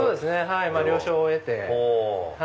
了承を得て。